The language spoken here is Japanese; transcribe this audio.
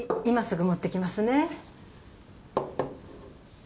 今すぐ持ってきますね。